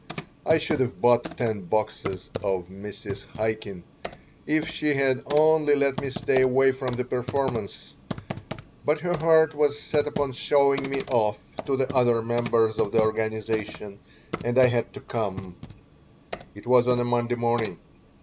I should have bought ten boxes of Mrs. Chaikin if she had only let me stay away from the performance, but her heart was set upon showing me off to the other members of the organization, and I had to come It was on a Monday evening.